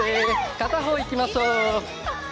片方、いきましょう。